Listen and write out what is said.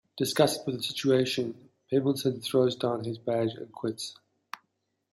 Disgusted with the situation, Pembleton throws down his badge and quits.